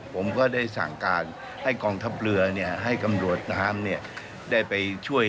เป็นการดำเนินการที่จะช่วยเหลือผู้ที่ได้รับบาดเจ็บและเสียชีวิต